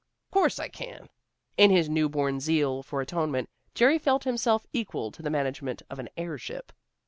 "'Course I can." In his new born zeal for atonement, Jerry felt himself equal to the management of an airship.